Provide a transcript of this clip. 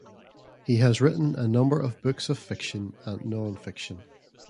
He has written a number of books of fiction and non-fiction.